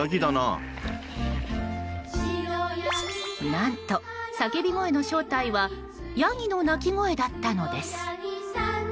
何と、叫び声の正体はヤギの鳴き声だったのです。